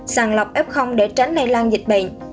sàng lọc f để tránh lây lan dịch bệnh